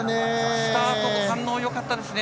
スタートの反応よかったですね。